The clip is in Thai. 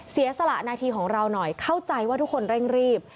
เสียสละนาทีของเราหน่อยเข้าใจว่าทุกคนเร่งรีบ